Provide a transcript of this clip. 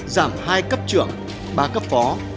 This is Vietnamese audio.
giảm hai cấp trưởng ba cấp phó